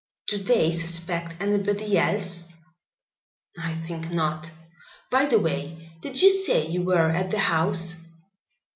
"Do they suspect anybody else?" "I think not. By the way, did you say you were at the house?"